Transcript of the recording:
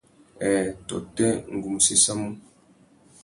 Nhêê tôtê, ngu mú séssamú.